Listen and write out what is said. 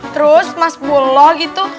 terus mas bullo gitu